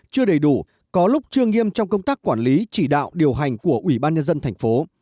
chưa đầy đủ có lúc chưa nghiêm trong công tác quản lý chỉ đạo điều hành của ủy ban nhân dân thành phố